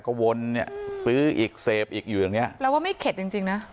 ก็วนเนี่ยซื้ออีกเสพอีกอยู่อย่างเนี้ยแปลว่าไม่เข็ดจริงจริงนะ